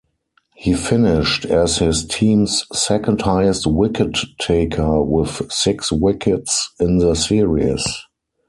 He finished as his team's second highest wicket-taker with six wickets in the series.